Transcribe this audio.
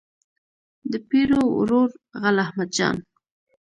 د پیرو ورور غل احمد جان.